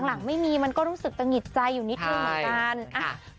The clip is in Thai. หลังไม่มีมันก็รู้สึกตะหิดใจอยู่นิดนึงเหมือนกัน